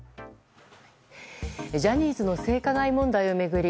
ジャニーズの性加害問題を巡り